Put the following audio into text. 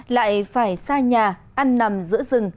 lại phải xa nhà ăn nằm giữa rừng